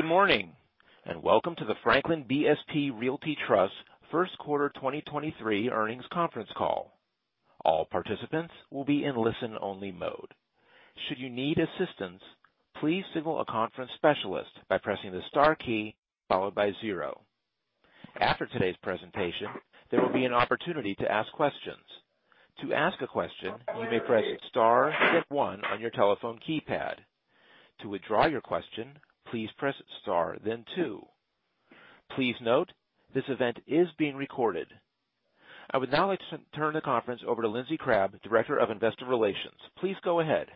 Good morning, and welcome to the Franklin BSP Realty Trust first quarter 2023 earnings conference call. All participants will be in listen-only mode. Should you need assistance, please signal a conference specialist by pressing the star key followed by zero. After today's presentation, there will be an opportunity to ask questions. To ask a question, you may press star then one on your telephone keypad. To withdraw your question, please press star then two. Please note, this event is being recorded. I would now like to turn the conference over to Lindsey Crabbe, Director of Investor Relations. Please go ahead.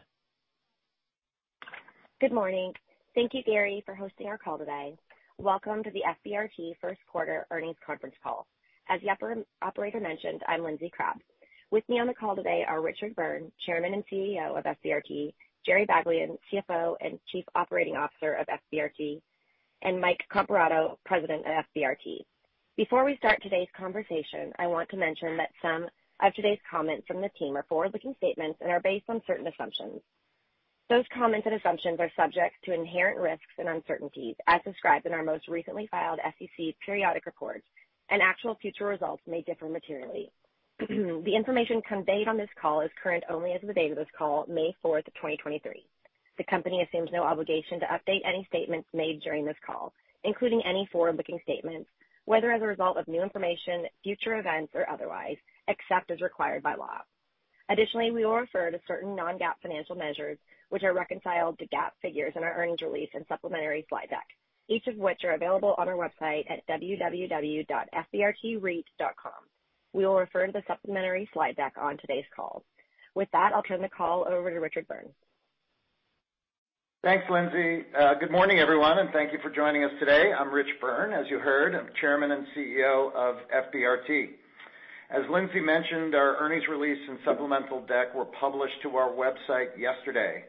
Good morning. Thank you, Gary, for hosting our call today. Welcome to the FBRT first quarter earnings conference call. As the operator mentioned, I'm Lindsey Crabbe. With me on the call today are Richard Byrne, Chairman and CEO of FBRT, Jerry Baglien, CFO and Chief Operating Officer of FBRT, and Mike Comparato, President of FBRT. Before we start today's conversation, I want to mention that some of today's comments from the team are forward-looking statements and are based on certain assumptions. Those comments and assumptions are subject to inherent risks and uncertainties as described in our most recently filed SEC periodic reports, and actual future results may differ materially. The information conveyed on this call is current only as of the date of this call, May 4th 2023. The company assumes no obligation to update any statements made during this call, including any forward-looking statements, whether as a result of new information, future events, or otherwise, except as required by law. Additionally, we will refer to certain non-GAAP financial measures, which are reconciled to GAAP figures in our earnings release and supplementary slide deck, each of which are available on our website at www.fbrtreit.com. We will refer to the supplementary slide deck on today's call. With that, I'll turn the call over to Richard Byrne. Thanks, Lindsey. Good morning, everyone, and thank you for joining us today. I'm Rich Byrne, as you heard. I'm Chairman and CEO of FBRT. As Lindsey mentioned, our earnings release and supplemental deck were published to our website yesterday.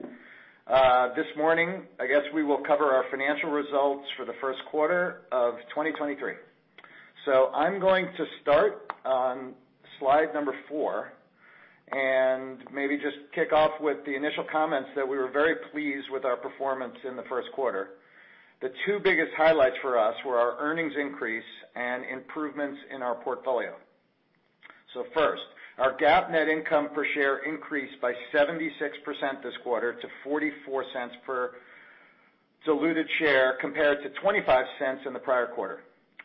This morning, I guess we will cover our financial results for the first quarter of 2023. I'm going to start on slide number four and maybe just kick off with the initial comments that we were very pleased with our performance in the first quarter. The two biggest highlights for us were our earnings increase and improvements in our portfolio. First, our GAAP net income per share increased by 76% this quarter to $0.44 per diluted share compared to $0.25 in the prior quarter.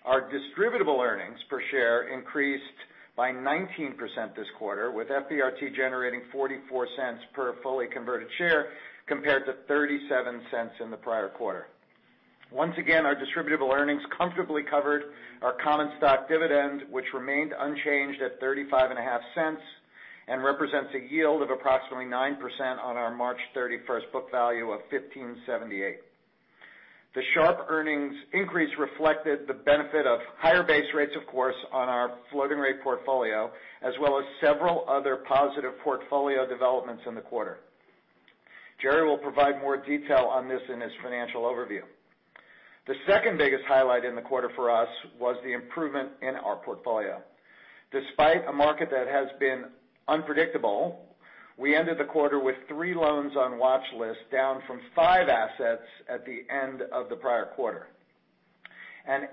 Our Distributable Earnings per share increased by 19% this quarter, with FBRT generating $0.44 per fully converted share compared to $0.37 in the prior quarter. Once again, our Distributable Earnings comfortably covered our common stock dividend, which remained unchanged at thirty-five and a half cents and represents a yield of approximately 9% on our March 31st book value of $15.78. The sharp earnings increase reflected the benefit of higher base rates, of course, on our floating rate portfolio, as well as several other positive portfolio developments in the quarter. Jerry will provide more detail on this in his financial overview. The second biggest highlight in the quarter for us was the improvement in our portfolio. Despite a market that has been unpredictable, we ended the quarter with three loans on watch list down from five assets at the end of the prior quarter.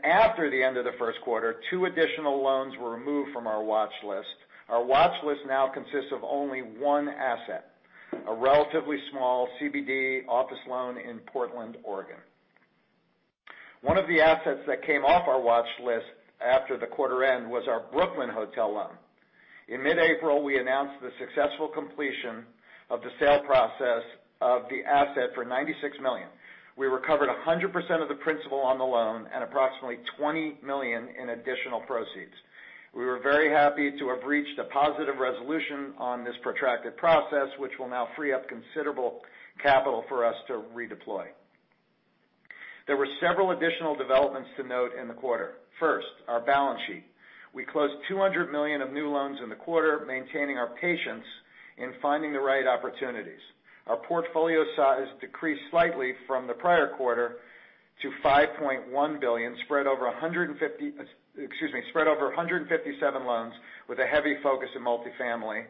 After the end of the first quarter, two additional loans were removed from our watch list. Our watch list now consists of only one asset, a relatively small CBD office loan in Portland, Oregon. One of the assets that came off our watch list after the quarter end was our Brooklyn Hotel loan. In mid-April, we announced the successful completion of the sale process of the asset for $96 million. We recovered 100% of the principal on the loan and approximately $20 million in additional proceeds. We were very happy to have reached a positive resolution on this protracted process, which will now free up considerable capital for us to redeploy. There were several additional developments to note in the quarter. First, our balance sheet. We closed $200 million of new loans in the quarter, maintaining our patience in finding the right opportunities. Our portfolio size decreased slightly from the prior quarter to $5.1 billion, spread over 157 loans with a heavy focus in multifamily,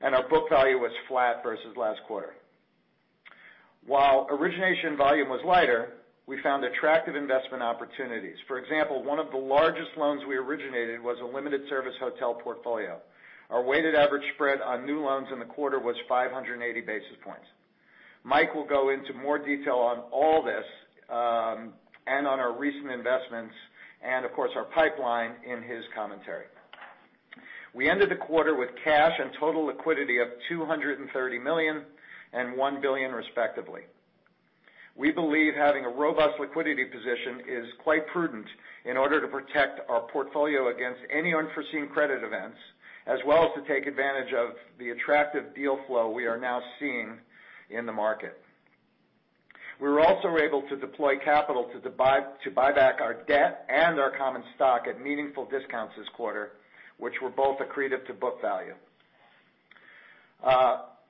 and our book value was flat versus last quarter. While origination volume was lighter, we found attractive investment opportunities. For example, one of the largest loans we originated was a limited service hotel portfolio. Our weighted average spread on new loans in the quarter was 580 basis points. Mike will go into more detail on all this, and on our recent investments and of course our pipeline in his commentary. We ended the quarter with cash and total liquidity of $230 million and $1 billion, respectively. We believe having a robust liquidity position is quite prudent in order to protect our portfolio against any unforeseen credit events, as well as to take advantage of the attractive deal flow we are now seeing in the market. We were also able to deploy capital to buy back our debt and our common stock at meaningful discounts this quarter, which were both accretive to book value.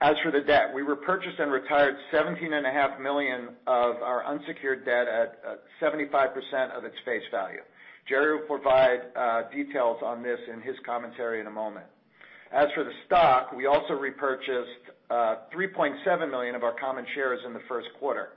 As for the debt, we repurchased and retired $17.5 million of our unsecured debt at 75% of its face value. Jerry will provide details on this in his commentary in a moment. As for the stock, we also repurchased $3.7 million of our common shares in the first quarter.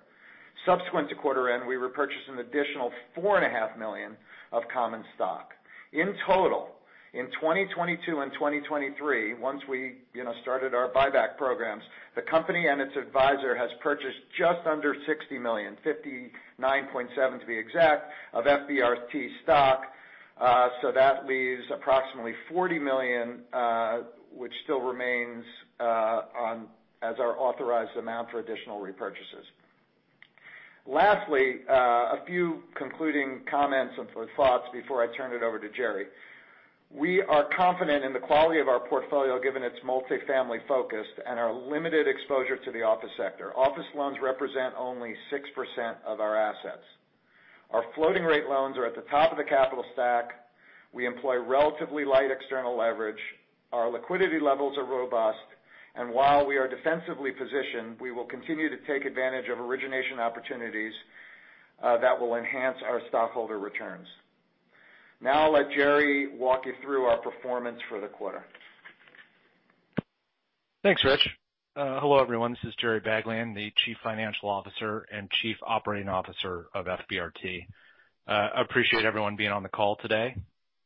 Subsequent to quarter end, we repurchased an additional $4.5 million of common stock. In total, in 2022 and 2023, once we, you know, started our buyback programs, the company and its advisor has purchased just under $60 million, $59.7 million to be exact, of FBRT stock. That leaves approximately $40 million, which still remains as our authorized amount for additional repurchases. Lastly, a few concluding comments and thoughts before I turn it over to Jerry. We are confident in the quality of our portfolio, given its multifamily focus and our limited exposure to the office sector. Office loans represent only 6% of our assets. Our floating rate loans are at the top of the capital stack. We employ relatively light external leverage. Our liquidity levels are robust. While we are defensively positioned, we will continue to take advantage of origination opportunities that will enhance our stockholder returns. Now I'll let Jerry walk you through our performance for the quarter. Thanks, Rich. Hello, everyone. This is Jerry Baglien, the Chief Financial Officer and Chief Operating Officer of FBRT. I appreciate everyone being on the call today.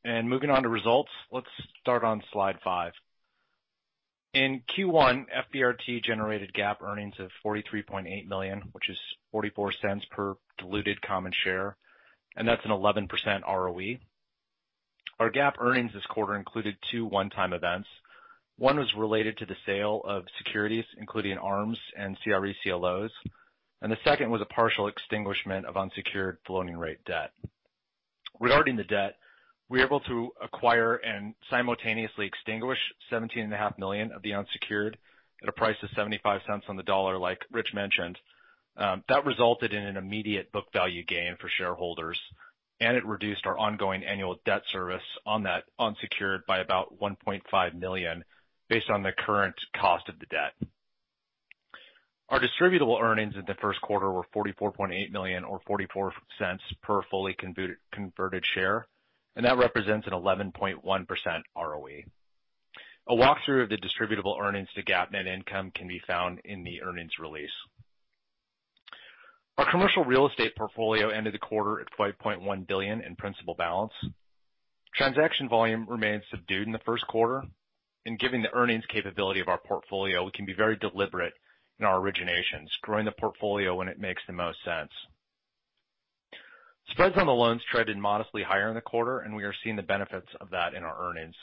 Moving on to results, let's start on slide five. In Q1, FBRT generated GAAP earnings of $43.8 million, which is $0.44 per diluted common share, and that's an 11% ROE. Our GAAP earnings this quarter included two one-time events. One was related to the sale of securities, including ARMs and CRE CLOs, and the second was a partial extinguishment of unsecured floating rate debt. Regarding the debt, we were able to acquire and simultaneously extinguish $17.5 million of the unsecured at a price of $0.75 on the dollar, like Rich mentioned. That resulted in an immediate book value gain for shareholders. It reduced our ongoing annual debt service on that unsecured by about $1.5 million based on the current cost of the debt. Our Distributable Earnings in the first quarter were $44.8 million or $0.44 per fully converted share. That represents an 11.1% ROE. A walkthrough of the Distributable Earnings to GAAP net income can be found in the earnings release. Our commercial real estate portfolio ended the quarter at $5.1 billion in principal balance. Transaction volume remained subdued in the first quarter. Given the earnings capability of our portfolio, we can be very deliberate in our originations, growing the portfolio when it makes the most sense. Spreads on the loans traded modestly higher in the quarter. We are seeing the benefits of that in our earnings.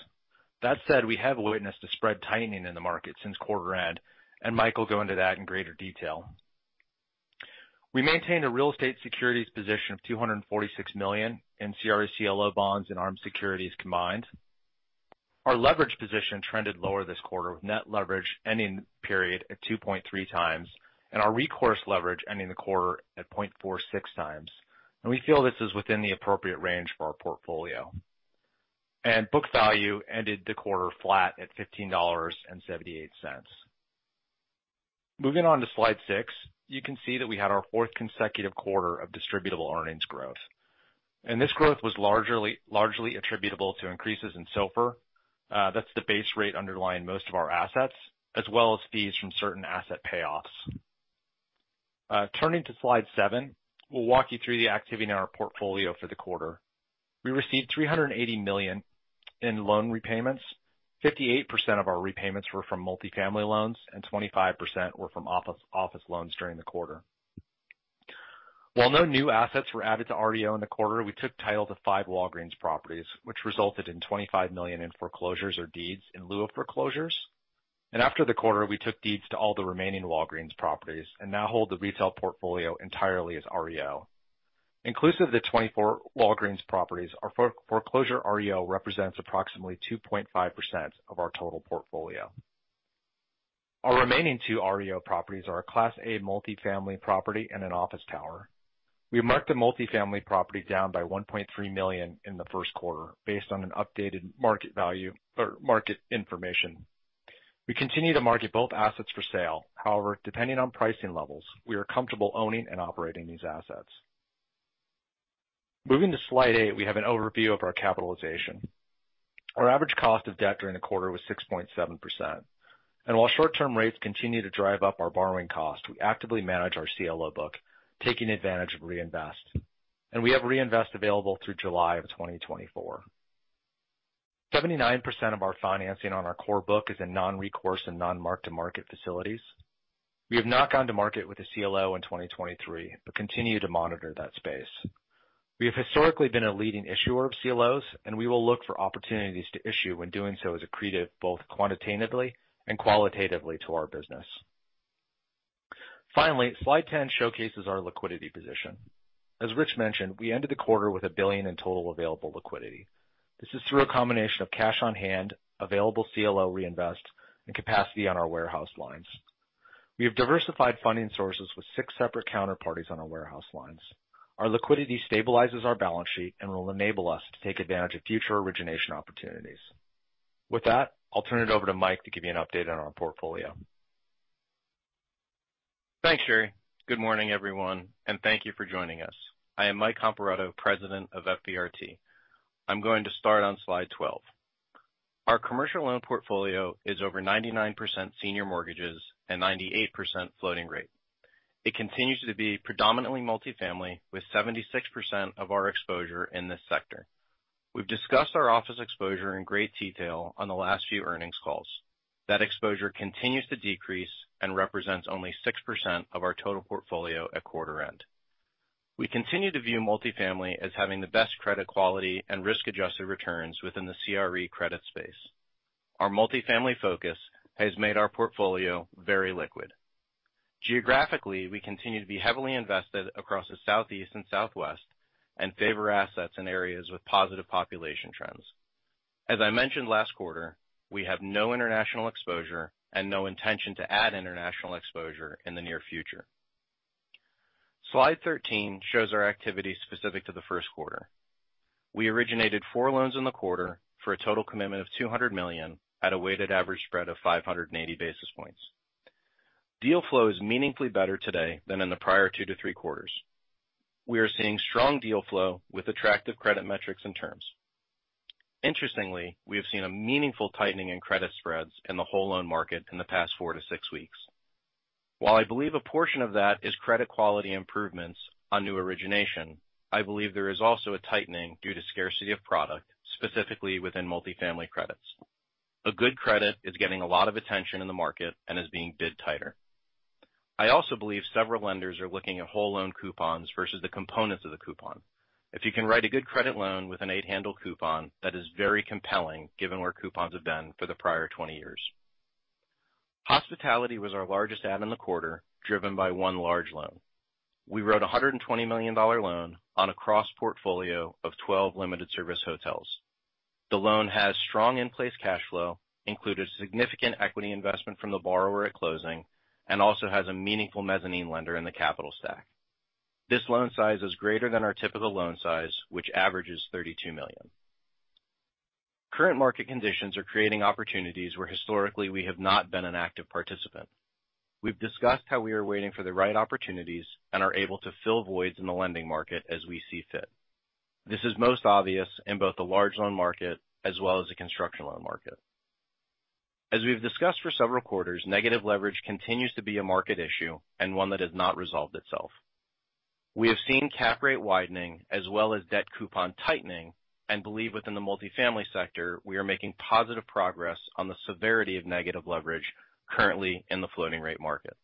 That said, we have witnessed a spread tightening in the market since quarter end. Mike will go into that in greater detail. We maintained a real estate securities position of $246 million in CRE CLO bonds and ARM securities combined. Our leverage position trended lower this quarter, with net leverage ending the period at 2.3 times and our recourse leverage ending the quarter at 0.46 times. We feel this is within the appropriate range for our portfolio. Book value ended the quarter flat at $15.78. Moving on to slide six, you can see that we had our fourth consecutive quarter of Distributable Earnings growth. This growth was largely attributable to increases in SOFR, that's the base rate underlying most of our assets, as well as fees from certain asset payoffs. Turning to slide seven, we'll walk you through the activity in our portfolio for the quarter. We received $380 million in loan repayments. 58% of our repayments were from multifamily loans, and 25% were from office loans during the quarter. While no new assets were added to REO in the quarter, we took title to five Walgreens properties, which resulted in $25 million in foreclosures or deeds in lieu of foreclosures. After the quarter, we took deeds to all the remaining Walgreens properties and now hold the retail portfolio entirely as REO. Inclusive of the 24 Walgreens properties, our foreclosure REO represents approximately 2.5% of our total portfolio. Our remaining two REO properties are a Class A multifamily property and an office tower. We marked the multifamily property down by $1.3 million in the first quarter based on an updated market value or market information. We continue to market both assets for sale. Depending on pricing levels, we are comfortable owning and operating these assets. Moving to slide eight, we have an overview of our capitalization. Our average cost of debt during the quarter was 6.7%. While short-term rates continue to drive up our borrowing cost, we actively manage our CLO book, taking advantage of reinvest. We have reinvest available through July of 2024. 79% of our financing on our core book is in non-recourse and non-mark-to-market facilities. We have not gone to market with a CLO in 2023 but continue to monitor that space. We have historically been a leading issuer of CLOs, and we will look for opportunities to issue when doing so is accretive both quantitatively and qualitatively to our business. Finally, slide 10 showcases our liquidity position. As Rich mentioned, we ended the quarter with $1 billion in total available liquidity. This is through a combination of cash on hand, available CLO reinvest, and capacity on our warehouse lines. We have diversified funding sources with six separate counterparties on our warehouse lines. Our liquidity stabilizes our balance sheet and will enable us to take advantage of future origination opportunities. With that, I'll turn it over to Mike to give you an update on our portfolio. Thanks, Jerry. Good morning, everyone, and thank you for joining us. I am Mike Comparato, President of FBRT. I'm going to start on slide 12. Our commercial loan portfolio is over 99% senior mortgages and 98% floating rate. It continues to be predominantly multifamily with 76% of our exposure in this sector. We've discussed our office exposure in great detail on the last year earnings calls. That exposure continues to decrease and represents only 6% of our total portfolio at quarter end. We continue to view multifamily as having the best credit quality and risk-adjusted returns within the CRE credit space. Our multifamily focus has made our portfolio very liquid. Geographically, we continue to be heavily invested across the Southeast and Southwest and favor assets in areas with positive population trends. As I mentioned last quarter, we have no international exposure and no intention to add international exposure in the near future. Slide 13 shows our activities specific to the first quarter. We originated four loans in the quarter for a total commitment of $200 million at a weighted average spread of 580 basis points. Deal flow is meaningfully better today than in the prior two to three quarters. We are seeing strong deal flow with attractive credit metrics and terms. Interestingly, we have seen a meaningful tightening in credit spreads in the whole loan market in the past four to six weeks. I believe a portion of that is credit quality improvements on new origination, I believe there is also a tightening due to scarcity of product, specifically within multifamily credits. A good credit is getting a lot of attention in the market and is being bid tighter. I also believe several lenders are looking at whole loan coupons versus the components of the coupon. If you can write a good credit loan with an 8-handle coupon, that is very compelling given where coupons have been for the prior 20 years. Hospitality was our largest add in the quarter, driven by one large loan. We wrote a $120 million loan on a cross portfolio of 12 limited service hotels. The loan has strong in-place cash flow, included significant equity investment from the borrower at closing, and also has a meaningful mezzanine lender in the capital stack. This loan size is greater than our typical loan size, which averages $32 million. Current market conditions are creating opportunities where historically we have not been an active participant. We've discussed how we are waiting for the right opportunities and are able to fill voids in the lending market as we see fit. This is most obvious in both the large loan market as well as the construction loan market. As we've discussed for several quarters, negative leverage continues to be a market issue and one that has not resolved itself. We have seen cap rate widening as well as debt coupon tightening and believe within the multifamily sector, we are making positive progress on the severity of negative leverage currently in the floating rate market.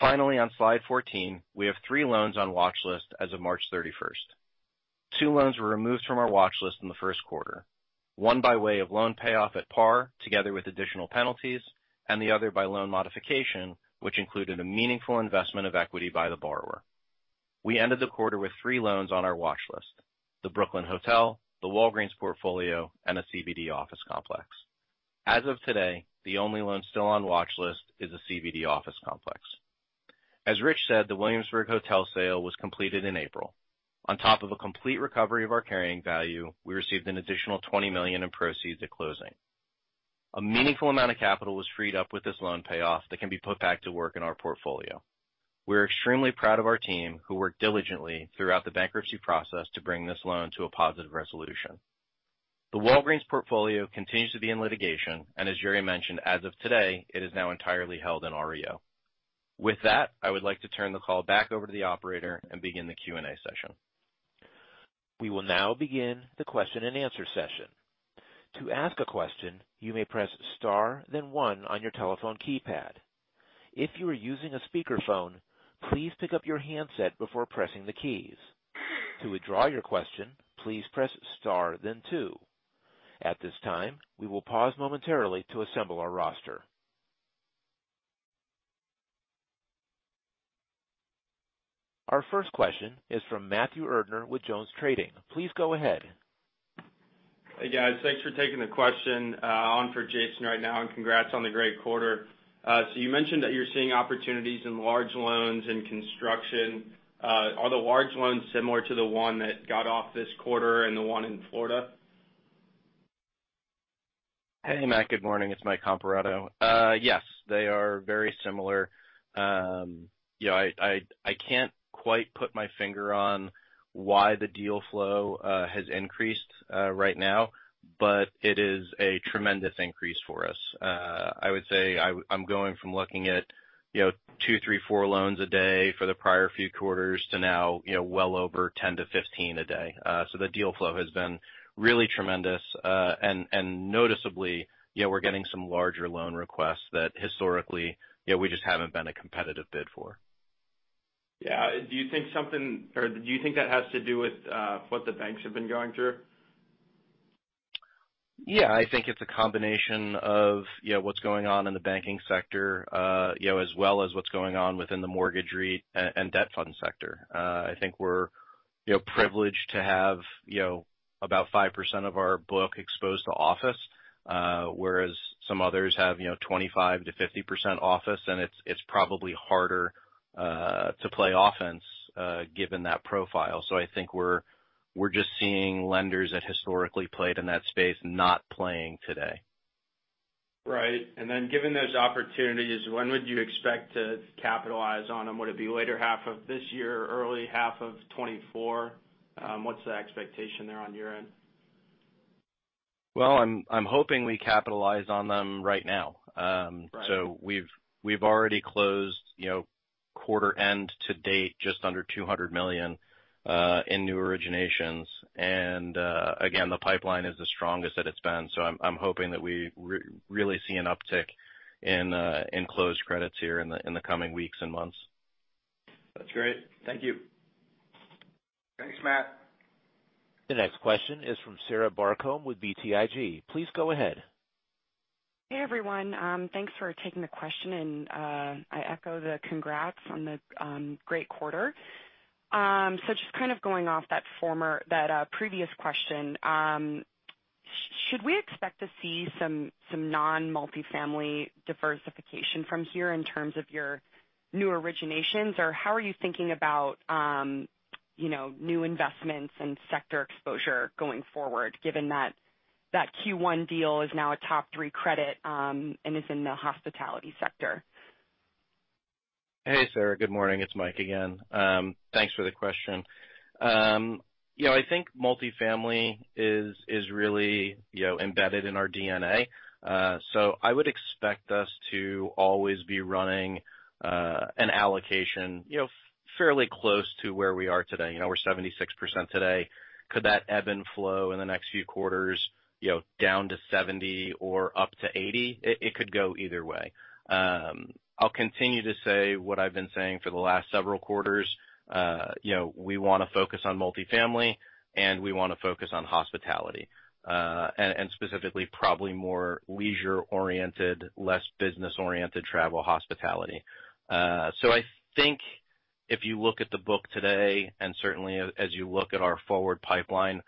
Finally, on slide 14, we have three loans on watch list as of March 31st. Two loans were removed from our watch list in the first quarter, one by way of loan payoff at par together with additional penalties, and the other by loan modification, which included a meaningful investment of equity by the borrower. We ended the quarter with three loans on our watch list: the Brooklyn Hotel, the Walgreens portfolio, and a CBD office complex. As of today, the only loan still on watch list is a CBD office complex. As Rich said, the Williamsburg Hotel sale was completed in April. On top of a complete recovery of our carrying value, we received an additional $20 million in proceeds at closing. A meaningful amount of capital was freed up with this loan payoff that can be put back to work in our portfolio. We're extremely proud of our team, who worked diligently throughout the bankruptcy process to bring this loan to a positive resolution. The Walgreens portfolio continues to be in litigation and as Jerry mentioned, as of today, it is now entirely held in REO. With that, I would like to turn the call back over to the operator and begin the Q&A session. We will now begin the question-and-answer session. To ask a question, you may press star then one on your telephone keypad. If you are using a speakerphone, please pick up your handset before pressing the keys. To withdraw your question, please press star then two. At this time, we will pause momentarily to assemble our roster. Our first question is from Matthew Erdner with JonesTrading. Please go ahead. Hey, guys. Thanks for taking the question, on for Jason right now, and congrats on the great quarter. You mentioned that you're seeing opportunities in large loans and construction. Are the large loans similar to the one that got off this quarter and the one in Florida? Hey, Matt. Good morning. It's Mike Comparato. Yes, they are very similar. You know, I can't quite put my finger on why the deal flow has increased right now, but it is a tremendous increase for us. I would say I'm going from looking at, you know, two, three, four loans a day for the prior few quarters to now, you know, well over 10 to 15 a day. So the deal flow has been really tremendous. And noticeably, you know, we're getting some larger loan requests that historically, you know, we just haven't been a competitive bid for. Yeah. Do you think something or do you think that has to do with what the banks have been going through? I think it's a combination of, you know, what's going on in the banking sector, you know, as well as what's going on within the mortgage REIT and debt fund sector. I think we're, you know, privileged to have, you know, about 5% of our book exposed to office, whereas some others have, you know, 25%-50% office, and it's probably harder to play offense, given that profile. I think We're just seeing lenders that historically played in that space not playing today. Right. Then given those opportunities, when would you expect to capitalize on them? Would it be later half of this year or early half of 2024? What's the expectation there on your end? Well, I'm hoping we capitalize on them right now. Right. We've already closed, you know, quarter end to date just under $200 million in new originations. Again, the pipeline is the strongest that it's been. I'm hoping that we really see an uptick in closed credits here in the coming weeks and months. That's great. Thank you. Thanks, Matt. The next question is from Sarah Barcomb with BTIG. Please go ahead. Hey, everyone. I echo the congrats on the great quarter. Just kind of going off that previous question, should we expect to see some non-multifamily diversification from here in terms of your new originations? How are you thinking about, you know, new investments and sector exposure going forward, given that that Q1 deal is now a top three credit, and is in the hospitality sector? Hey, Sarah. Good morning. It's Mike again. Thanks for the question. You know, I think multifamily is really, you know, embedded in our DNA. I would expect us to always be running an allocation, you know, fairly close to where we are today. You know, we're 76% today. Could that ebb and flow in the next few quarters, you know, down to 70 or up to 80? It could go either way. I'll continue to say what I've been saying for the last several quarters. You know, we wanna focus on multifamily, and we wanna focus on hospitality, and specifically probably more leisure-oriented, less business-oriented travel hospitality. I think if you look at the book today, and certainly as you look at our forward pipeline,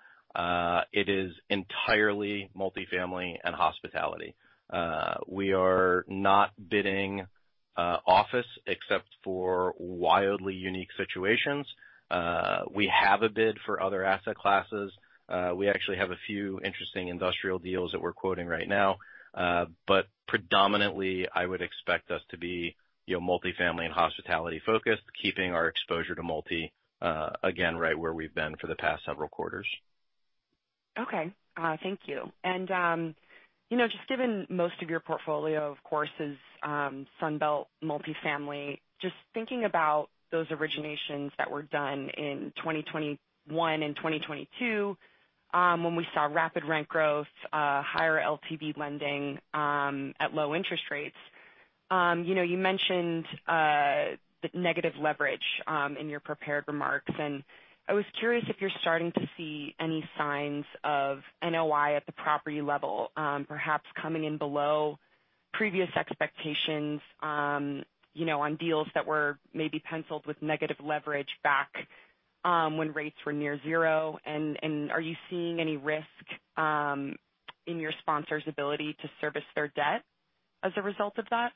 it is entirely multifamily and hospitality. We are not bidding office except for wildly unique situations. We have a bid for other asset classes. We actually have a few interesting industrial deals that we're quoting right now. Predominantly, I would expect us to be, you know, multifamily and hospitality-focused, keeping our exposure to multi, again, right where we've been for the past several quarters. Okay. Thank you. You know, just given most of your portfolio, of course, is Sunbelt multifamily, just thinking about those originations that were done in 2021 and 2022, when we saw rapid rent growth, higher LTV lending, at low interest rates. You know, you mentioned the negative leverage in your prepared remarks, and I was curious if you're starting to see any signs of NOI at the property level, perhaps coming in below previous expectations, you know, on deals that were maybe penciled with negative leverage back when rates were near zero. Are you seeing any risk in your sponsors' ability to service their debt as a result of that?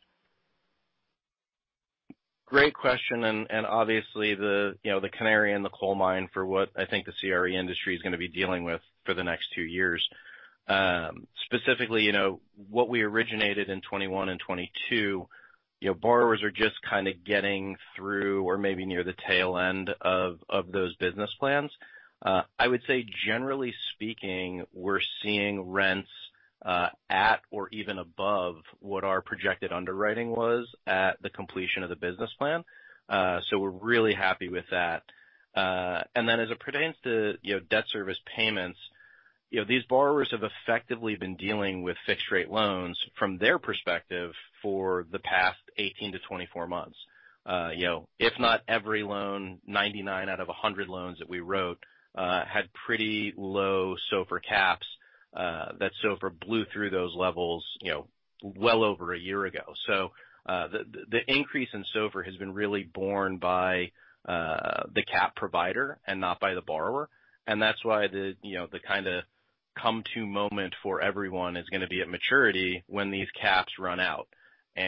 Great question. Obviously the, you know, the canary in the coal mine for what I think the CRE industry is gonna be dealing with for the next two years. Specifically, you know, what we originated in 2021 and 2022, you know, borrowers are just kinda getting through or maybe near the tail end of those business plans. I would say generally speaking, we're seeing rents at or even above what our projected underwriting was at the completion of the business plan. We're really happy with that. Then as it pertains to, you know, debt service payments, you know, these borrowers have effectively been dealing with fixed rate loans from their perspective for the past 18-24 months. You know, if not every loan, 99 out of 100 loans that we wrote, had pretty low SOFR caps, that SOFR blew through those levels, you know, well over a year ago. The, the increase in SOFR has been really borne by the cap provider and not by the borrower. That's why the, you know, the kinda come to moment for everyone is gonna be at maturity when these caps run out. You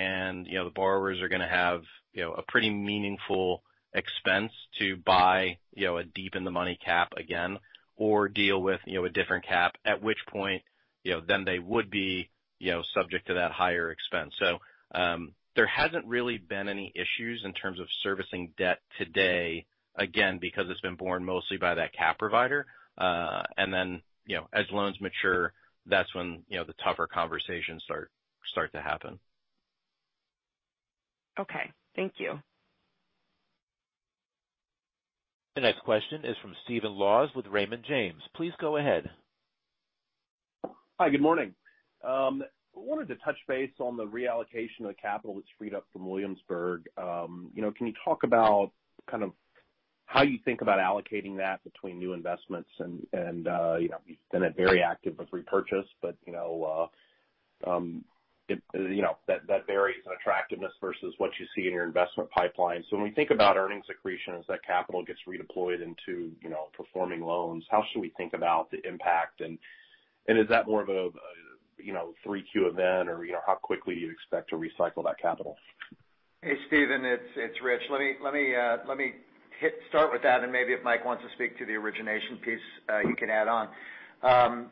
know, the borrowers are gonna have, you know, a pretty meaningful expense to buy, you know, a deep in the money cap again or deal with, you know, a different cap, at which point, you know, then they would be, you know, subject to that higher expense. There hasn't really been any issues in terms of servicing debt today, again, because it's been borne mostly by that cap provider. You know, as loans mature, that's when, you know, the tougher conversations start to happen. Okay. Thank you. The next question is from Stephen Laws with Raymond James. Please go ahead. Hi, good morning. I wanted to touch base on the reallocation of the capital that's freed up from Williamsburg. You know, can you talk about kind of how you think about allocating that between new investments and, you know, you've been a very active of repurchase, but, you know, that varies in attractiveness versus what you see in your investment pipeline. When we think about earnings accretion as that capital gets redeployed into, you know, performing loans, how should we think about the impact? Is that more of a, you know, 3Q event or, you know, how quickly you expect to recycle that capital? Hey, Stephen, it's Rich. Let me, let me start with that, and maybe if Mike wants to speak to the origination piece, you can add on.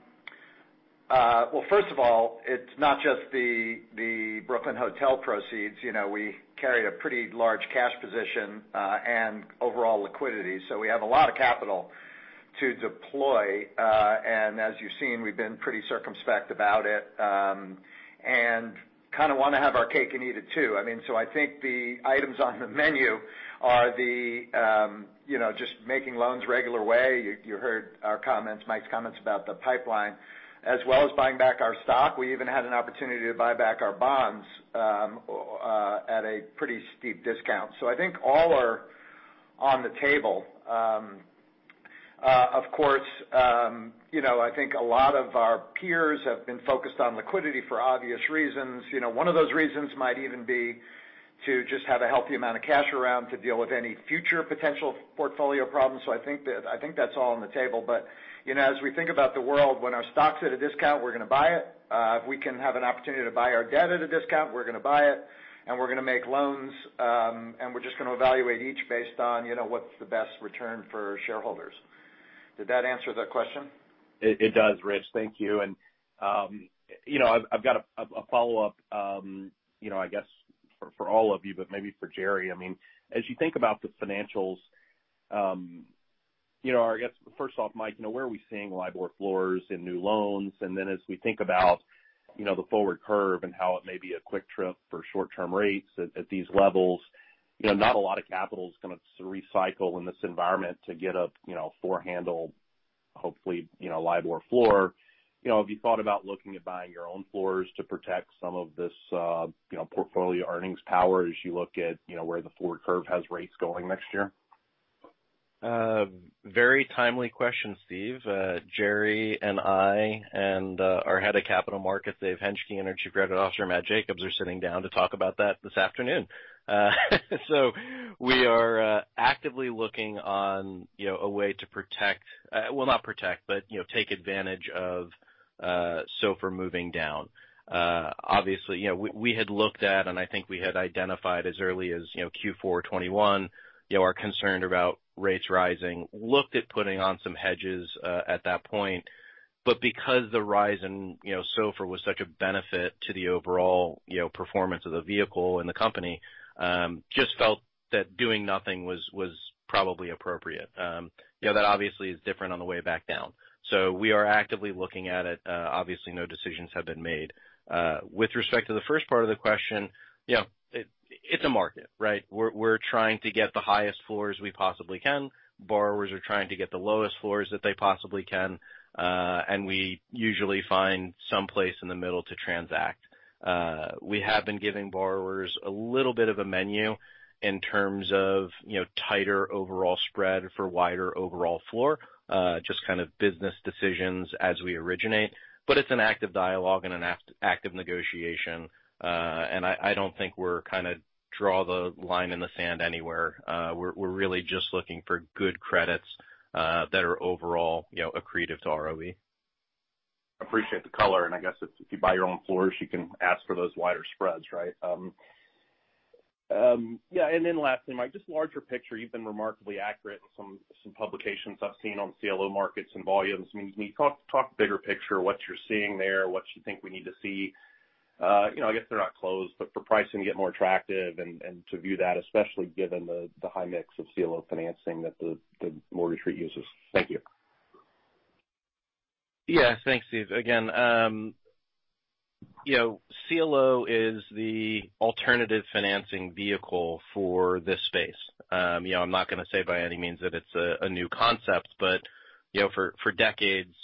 Well, first of all, it's not just the Brooklyn Hotel proceeds. You know, we carried a pretty large cash position and overall liquidity. We have a lot of capital to deploy. As you've seen, we've been pretty circumspect about it, and kinda wanna have our cake and eat it too. I mean, I think the items on the menu are the, you know, just making loans regular way. You heard our comments, Mike's comments about the pipeline, as well as buying back our stock. We even had an opportunity to buy back our bonds at a pretty steep discount. I think all are on the table. Of course, you know, I think a lot of our peers have been focused on liquidity for obvious reasons. You know, one of those reasons might even be to just have a healthy amount of cash around to deal with any future potential portfolio problems. I think that, I think that's all on the table. You know, as we think about the world, when our stock's at a discount, we're gonna buy it. If we can have an opportunity to buy our debt at a discount, we're gonna buy it, and we're gonna make loans, and we're just gonna evaluate each based on, you know, what's the best return for shareholders. Did that answer the question? It does, Rich. Thank you. You know, I've got a follow-up, you know, I guess for all of you, but maybe for Jerry. I mean, as you think about the financials, you know, I guess first off, Mike, you know, where are we seeing LIBOR floors in new loans? As we think about, you know, the forward curve and how it may be a quick trip for short-term rates at these levels, you know, not a lot of capital is gonna recycle in this environment to get a, you know, 4-handle, hopefully, you know, LIBOR floor. You know, have you thought about looking at buying your own floors to protect some of this, you know, portfolio earnings power as you look at, you know, where the forward curve has rates going next year? Very timely question, Steve. Jerry and I and, our Head of Capital Markets, David Henschke, and our Chief Credit Officer, Matthew Jacobs, are sitting down to talk about that this afternoon. We are, actively looking on, you know, a way to protect, well, not protect, but, you know, take advantage of, SOFR moving down. obviously, you know, we had looked at, and I think we had identified as early as, you know, Q4 2021, you know, our concern about rates rising. Looked at putting on some hedges, at that point. Because the rise in, you know, SOFR was such a benefit to the overall, you know, performance of the vehicle and the company, just felt that doing nothing was probably appropriate. you know, that obviously is different on the way back down. We are actively looking at it. Obviously, no decisions have been made. With respect to the first part of the question, you know, it's a market, right? We're trying to get the highest floors we possibly can. Borrowers are trying to get the lowest floors that they possibly can. We usually find some place in the middle to transact. We have been giving borrowers a little bit of a menu in terms of, you know, tighter overall spread for wider overall floor, just kind of business decisions as we originate. It's an active dialogue and an active negotiation. I don't think we're kind of draw the line in the sand anywhere. We're really just looking for good credits, that are overall, you know, accretive to ROE. Appreciate the color, I guess if you buy your own floors, you can ask for those wider spreads, right? Yeah, lastly, Mike, just larger picture. You've been remarkably accurate in some publications I've seen on CLO markets and volumes. Can you talk bigger picture what you're seeing there, what you think we need to see, you know, I guess they're not closed, but for pricing to get more attractive and to view that, especially given the high mix of CLO financing that the mortgage REIT uses. Thank you. Yeah. Thanks, Steve. Again, you know, CLO is the alternative financing vehicle for this space. You know, I'm not gonna say by any means that it's a new concept, but, you know, for decades,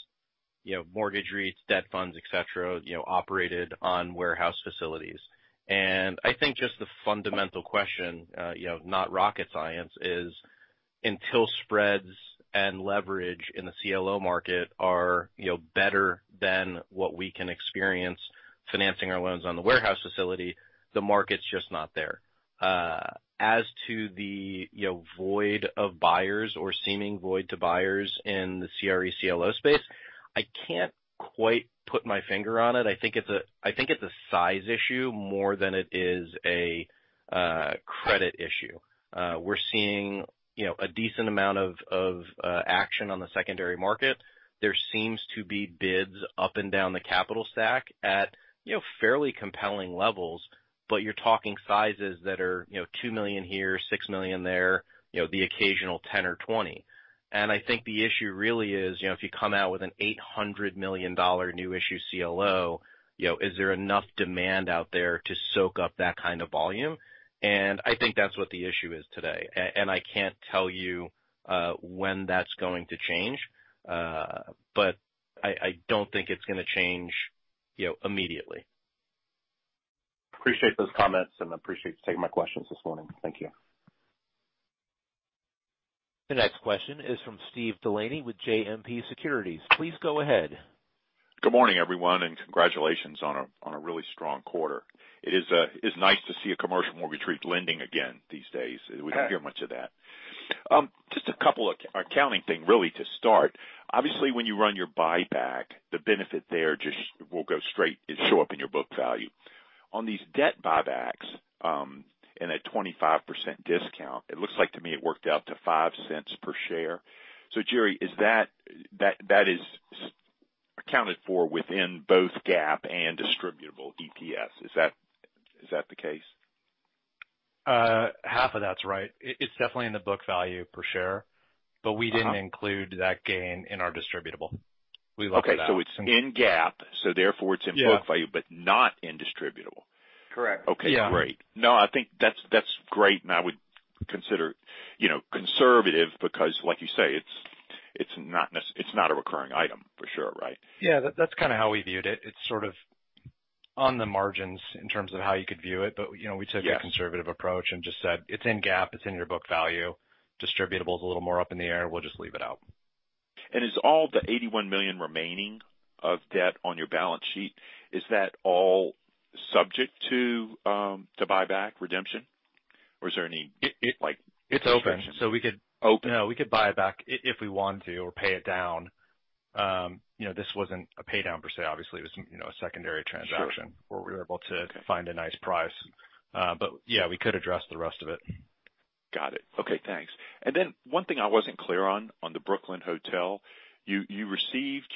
you know, mortgage REITs, debt funds, et cetera, you know, operated on warehouse facilities. I think just the fundamental question, you know, not rocket science, is until spreads and leverage in the CLO market are, you know, better than what we can experience financing our loans on the warehouse facility, the market's just not there. As to the, you know, void of buyers or seeming void to buyers in the CRE CLO space, I can't quite put my finger on it. I think it's a, I think it's a size issue more than it is a credit issue. We're seeing, you know, a decent amount of action on the secondary market. There seems to be bids up and down the capital stack at, you know, fairly compelling levels, but you're talking sizes that are, you know, $2 million here, $6 million there, you know, the occasional $10 million or $20 million. I think the issue really is, you know, if you come out with an $800 million new issue CLO, you know, is there enough demand out there to soak up that kind of volume? I think that's what the issue is today. I can't tell you when that's going to change. I don't think it's gonna change, you know, immediately. Appreciate those comments, and appreciate you taking my questions this morning. Thank you. The next question is from Steve DeLaney with JMP Securities. Please go ahead. Good morning, everyone, and congratulations on a really strong quarter. It is, it's nice to see a commercial mortgage REIT lending again these days. We don't hear much of that. Just a couple of accounting thing really to start. Obviously, when you run your buyback, the benefit there just will go straight and show up in your book value. On these debt buybacks, and at 25% discount, it looks like to me it worked out to $0.05 per share. Jerry, is that is accounted for within both GAAP and Distributable EPS? Is that, is that the case? Half of that's right. It's definitely in the book value per share. Uh-huh. We didn't include that gain in our distributable. We left that out. Okay. It's in GAAP, so therefore it's in book value. Yeah. Not in distributable. Correct. Yeah. Okay, great. No, I think that's great. I would consider, you know, conservative because like you say, it's not a recurring item for sure, right? Yeah, that's kinda how we viewed it. It's sort of on the margins in terms of how you could view it. you know, we took- Yes. the conservative approach and just said it's in GAAP, it's in your book value. Distributable is a little more up in the air. We'll just leave it out. Is all the $81 million remaining of debt on your balance sheet, is that all subject to to buyback redemption? Or is there any like restriction? It's open. We could. Open? No, we could buy back if we wanted to or pay it down. You know, this wasn't a pay down per se, obviously, it was, you know, a secondary transaction. Sure. Where we were able to find a nice price. Yeah, we could address the rest of it. Got it. Okay, thanks. One thing I wasn't clear on the Brooklyn Hotel, you received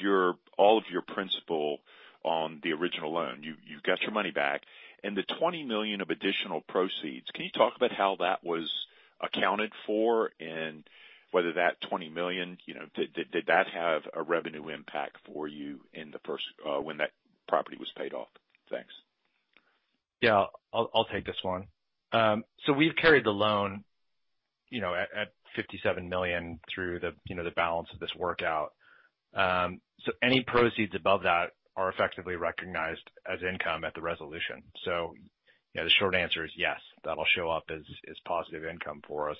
all of your principal on the original loan. You got your money back. The $20 million of additional proceeds, can you talk about how that was accounted for and whether that $20 million, you know, did that have a revenue impact for you in the first when that property was paid off? Thanks. Yeah. I'll take this one. We've carried the loan, you know, at $57 million through the, you know, the balance of this workout. Any proceeds above that are effectively recognized as income at the resolution. Yeah, the short answer is yes, that'll show up as positive income for us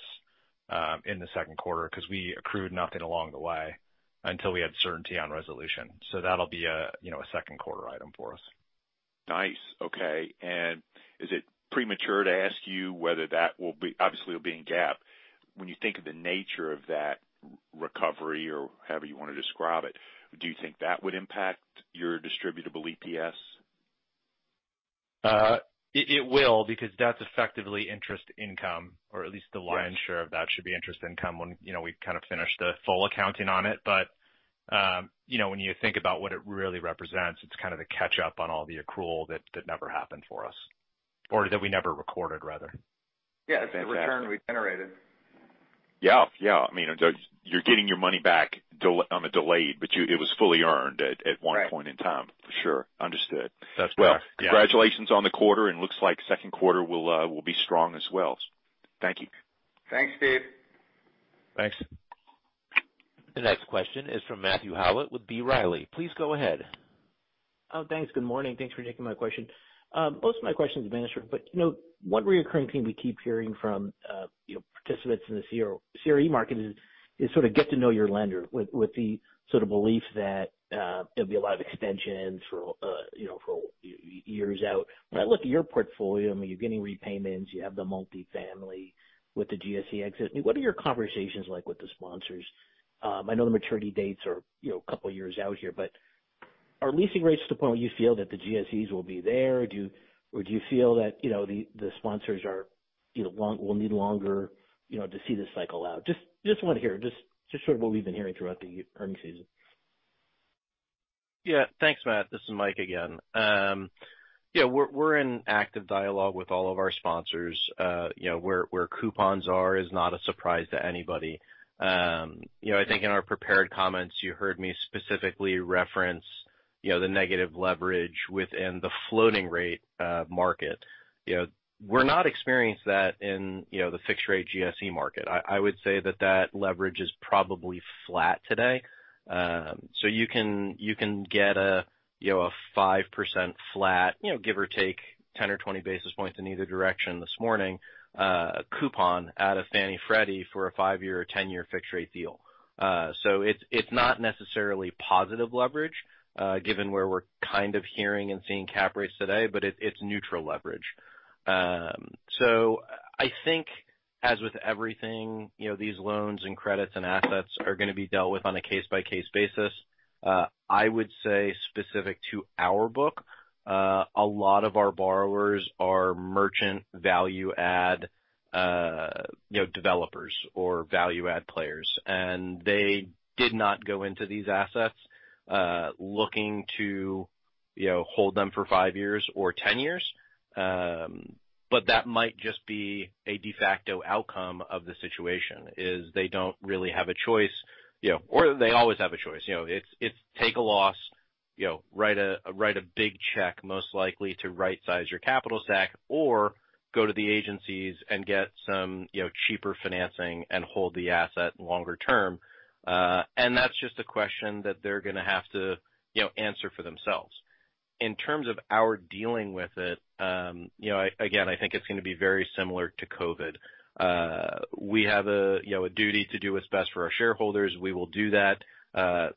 in the second quarter because we accrued nothing along the way until we had certainty on resolution. That'll be a, you know, a second quarter item for us. Nice. Okay. Is it premature to ask you whether that will be. Obviously, it'll be in GAAP. When you think of the nature of that recovery or however you wanna describe it, do you think that would impact your distributable EPS? It will because that's effectively interest income, or at least the lion's share of that should be interest income when, you know, we've kind of finished the full accounting on it. You know, when you think about what it really represents, it's kind of the catch up on all the accrual that never happened for us, or that we never recorded, rather. Fantastic. Yeah. It's the return we generated. Yeah. Yeah. I mean, you're getting your money back on a delayed, it was fully earned at. Right. -at one point in time, for sure. Understood. That's correct. Yeah. Well, congratulations on the quarter, and looks like second quarter will be strong as well. Thank you. Thanks, Steve. Thanks. The next question is from Matthew Howlett with B. Riley. Please go ahead. Oh, thanks. Good morning. Thanks for taking my question. Most of my questions have been answered, but, you know, one recurring theme we keep hearing from, you know, participants in the CRE market is sort of get to know your lender with the sort of belief that there'll be a lot of extensions for, you know, for years out. When I look at your portfolio, I mean, you're getting repayments, you have the multifamily with the GSE exit. I mean, what are your conversations like with the sponsors? I know the maturity dates are, you know, a couple years out here, but are leasing rates to the point where you feel that the GSEs will be there? Do you feel that, you know, the sponsors are, you know, will need longer, you know, to see this cycle out? Just want to hear sort of what we've been hearing throughout the earnings season. Yeah. Thanks, Matt. This is Mike again. We're in active dialogue with all of our sponsors. You know, where coupons are is not a surprise to anybody. You know, I think in our prepared comments, you heard me specifically reference, you know, the negative leverage within the floating rate market. You know, we're not experiencing that in, you know, the fixed rate GSE market. I would say that leverage is probably flat today. You can get a, you know, a 5% flat, you know, give or take 10 or 20 basis points in either direction this morning, coupon out of Fannie Freddie for a five-year or 10-year fixed rate deal. It's not necessarily positive leverage, given where we're kind of hearing and seeing cap rates today, but it's neutral leverage. I think as with everything, you know, these loans and credits and assets are gonna be dealt with on a case-by-case basis. I would say specific to our book, a lot of our borrowers are merchant value add, you know, developers or value add players. They did not go into these assets, looking to, you know, hold them for five years or 10 years. That might just be a de facto outcome of the situation, is they don't really have a choice, you know. They always have a choice, you know. It's take a loss, you know, write a big check, most likely to rightsize your capital stack, or go to the agencies and get some, you know, cheaper financing and hold the asset longer term. That's just a question that they're gonna have to, you know, answer for themselves. In terms of our dealing with it, you know, again, I think it's gonna be very similar to COVID. We have a, you know, a duty to do what's best for our shareholders. We will do that.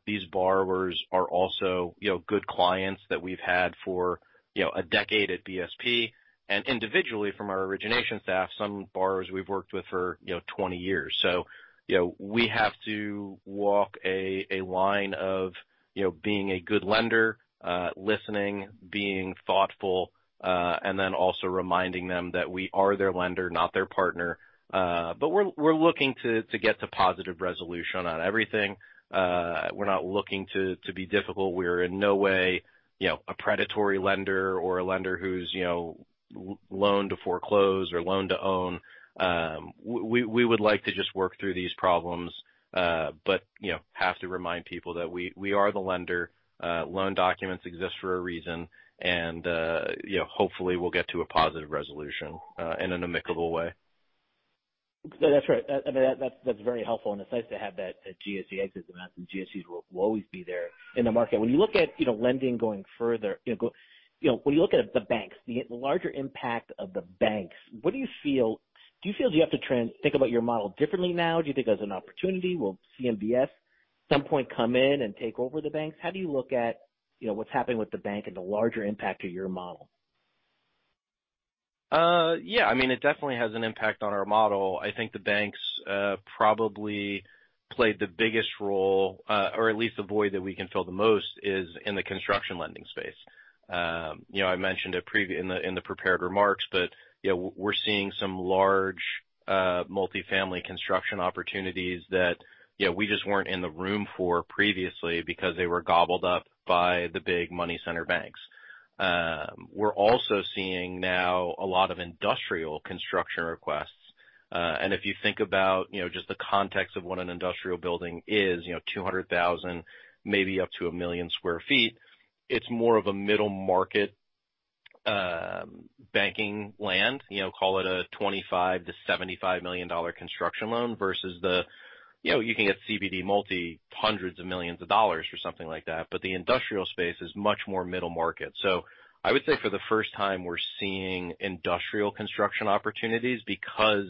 These borrowers are also, you know, good clients that we've had for, you know, a decade at BSP, and individually from our origination staff, some borrowers we've worked with for, you know, 20 years. We have to walk a line of, you know, being a good lender, listening, being thoughtful, also reminding them that we are their lender, not their partner. We're, we're looking to get to positive resolution on everything. We're not looking to be difficult. We're in no way, you know, a predatory lender or a lender who's, you know, loan to foreclose or loan to own. We would like to just work through these problems, but, you know, have to remind people that we are the lender, loan documents exist for a reason, and, you know, hopefully we'll get to a positive resolution in an amicable way. That's right. I mean, that's very helpful, and it's nice to have that GSE exit amount, and GSEs will always be there in the market. When you look at, you know, lending going further, you know, when you look at the banks, the larger impact of the banks, what do you feel, do you feel you have to think about your model differently now? Do you think there's an opportunity? Will CMBS some point come in and take over the banks? How do you look at, you know, what's happening with the bank and the larger impact to your model? Yeah. I mean, it definitely has an impact on our model. I think the banks probably played the biggest role, or at least the void that we can fill the most is in the construction lending space. You know, I mentioned it in the prepared remarks, but, you know, we're seeing some large multifamily construction opportunities that, you know, we just weren't in the room for previously because they were gobbled up by the big money center banks. We're also seeing now a lot of industrial construction requests, and if you think about, you know, just the context of what an industrial building is, you know, 200,000, maybe up to 1 million sq ft, it's more of a middle market banking land. You know, call it a $25 million-$75 million construction loan versus the, you know, you can get CBD multi-hundreds of millions of dollars for something like that. The industrial space is much more middle market. I would say for the first time, we're seeing industrial construction opportunities because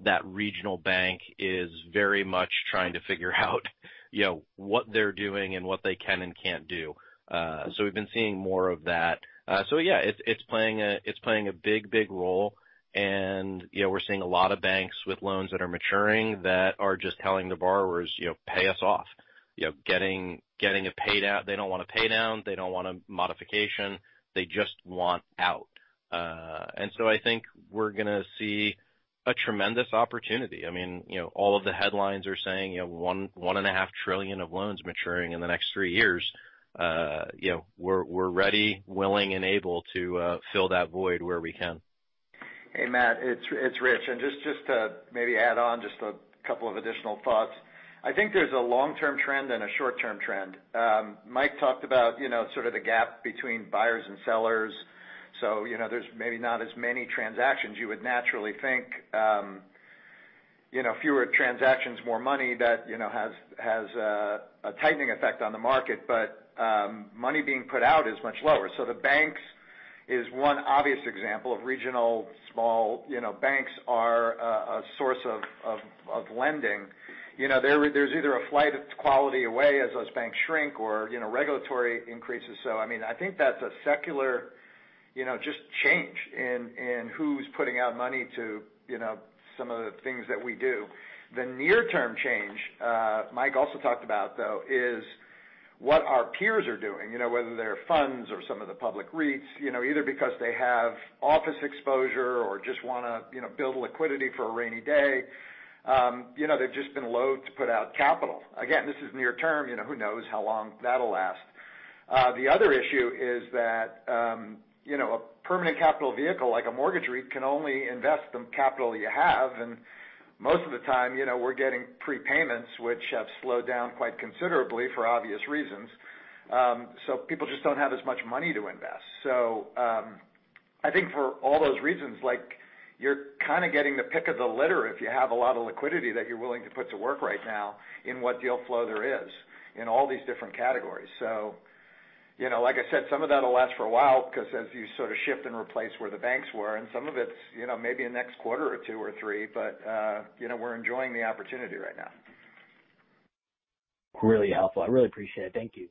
that regional bank is very much trying to figure out, you know, what they're doing and what they can and can't do. We've been seeing more of that. Yeah, it's playing a big role and, you know, we're seeing a lot of banks with loans that are maturing that are just telling the borrowers, you know, "Pay us off." You know, getting a paydown. They don't want a paydown. They don't want a modification. They just want out. I think we're gonna see a tremendous opportunity. I mean, you know, all of the headlines are saying, you know, $1.5 trillion of loans maturing in the next three years. You know, we're ready, willing, and able to fill that void where we can. Hey, Matt, it's Rich. Just to maybe add on a couple of additional thoughts. I think there's a long-term trend and a short-term trend. Mike talked about, you know, sort of the gap between buyers and sellers. You know, there's maybe not as many transactions. You would naturally think, you know, fewer transactions, more money that, you know, has a tightening effect on the market. Money being put out is much lower. The banks is one obvious example of regional, small... You know, banks are a source of lending. You know, there's either a flight of quality away as those banks shrink or, you know, regulatory increases. I mean, I think that's a secular, you know, just change in who's putting out money to, you know, some of the things that we do. The near-term change, Mike also talked about, though, is what our peers are doing. You know, whether they're funds or some of the public REITs, you know, either because they have office exposure or just wanna, you know, build liquidity for a rainy day, you know, they've just been loath to put out capital. Again, this is near term, you know. Who knows how long that'll last? The other issue is that, you know, a permanent capital vehicle like a mortgage REIT can only invest the capital you have, and most of the time, you know, we're getting prepayments which have slowed down quite considerably for obvious reasons. People just don't have as much money to invest. I think for all those reasons, like, you're kinda getting the pick of the litter if you have a lot of liquidity that you're willing to put to work right now in what deal flow there is in all these different categories. You know, like I said, some of that'll last for a while because as you sort of shift and replace where the banks were and some of it's, you know, maybe in next quarter or two or three, but, you know, we're enjoying the opportunity right now. Really helpful. I really appreciate it. Thank you.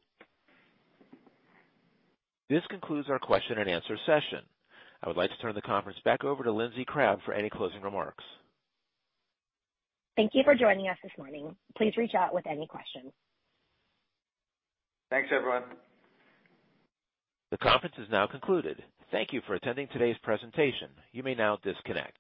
This concludes our question and answer session. I would like to turn the conference back over to Lindsey Crabbe for any closing remarks. Thank you for joining us this morning. Please reach out with any questions. Thanks, everyone. The conference is now concluded. Thank you for attending today's presentation. You may now disconnect.